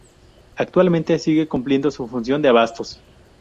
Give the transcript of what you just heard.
Actualmente sigue cumpliendo su función de abastos.